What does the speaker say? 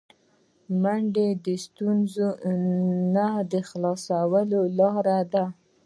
منډه د ستونزو نه د خلاصون لاره ده